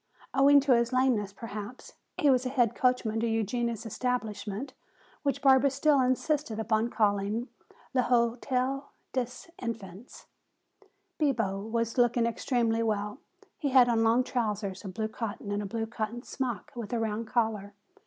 Owing to his lameness perhaps, he was head coachman to Eugenia's establishment, which Barbara still insisted upon calling "L'Hotel des Enfants." Bibo was looking extremely well. He had on long trousers of blue cotton and a blue cotton smock with a round collar.